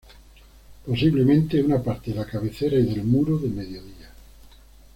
Posiblemente una parte de la cabecera y del muro de mediodía.